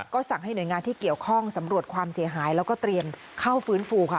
ก็สั่งให้หน่วยงานที่เกี่ยวข้องสำรวจความเสียหายแล้วก็เตรียมเข้าฟื้นฟูค่ะ